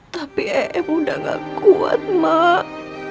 tapi em udah gak kuat mak